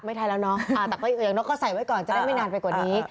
ไทยแล้วเนาะแต่ก็อย่างนกก็ใส่ไว้ก่อนจะได้ไม่นานไปกว่านี้